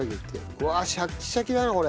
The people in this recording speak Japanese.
うわあシャッキシャキだなこれ。